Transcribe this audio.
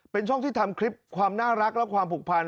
เป็นช่องที่ทำคลิปความน่ารักและความผูกพัน